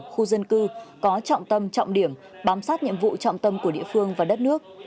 khu dân cư có trọng tâm trọng điểm bám sát nhiệm vụ trọng tâm của địa phương và đất nước